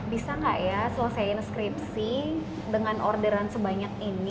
bisa nggak ya selesaiin skripsi dengan orderan sebanyak ini